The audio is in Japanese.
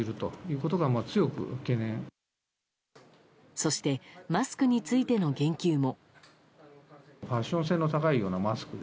そしてマスクについての言及も。